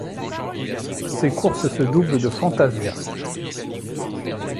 Ces courses se doublent de fantasias.